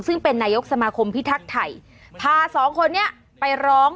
ซึ่งเป็นนายกสมาคมพิธักไถพา๒คนเนี่ยไปร้อง